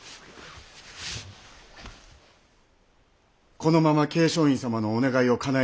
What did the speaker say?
このまま桂昌院様のお願いをかなえるより。